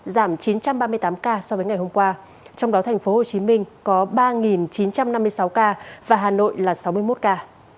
giảm chín trăm ba mươi tám ca so với ngày hôm qua trong đó thành phố hồ chí minh có ba chín trăm năm mươi sáu ca và hà nội là sáu mươi một ca